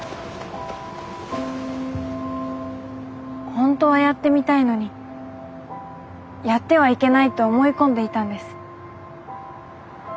本当はやってみたいのにやってはいけないと思い込んでいたんです。